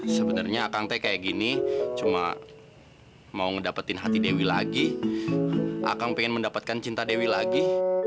sebenarnya kayak gini cuma mau mendapatkan hati dewi lagi akan pengen mendapatkan cinta dewi lagi